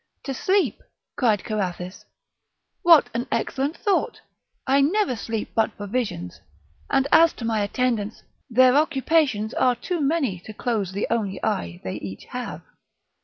"To sleep," cried Carathis; "what an excellent thought! I never sleep but for visions; and, as to my attendants, their occupations are too many to close the only eye they each have."